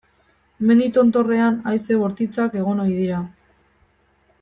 Mendi tontorrean haize bortitzak egon ohi dira.